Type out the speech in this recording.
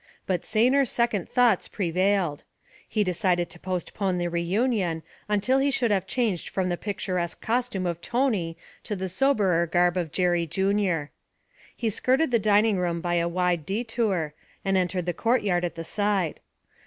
But saner second thoughts prevailed; he decided to postpone the reunion until he should have changed from the picturesque costume of Tony to the soberer garb of Jerry Junior. He skirted the dining room by a wide detour, and entered the courtyard at the side.